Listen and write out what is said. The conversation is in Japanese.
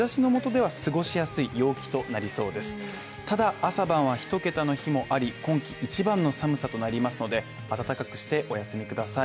朝晩はひと桁の日もあり、今季一番の寒さとなりますので、暖かくしてお休みください。